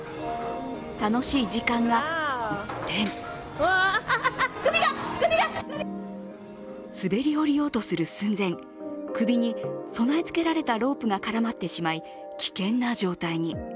楽しい時間が一転滑り降りようとする寸前、首に備え付けられたロープが絡まってしまい、危険な状態に。